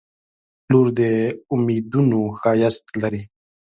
• لور د امیدونو ښایست لري.